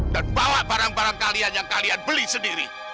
dan bawa barang barang kalian yang kalian beli sendiri